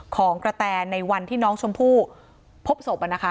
ของกระแตในวันที่น้องชมพู่พบศพ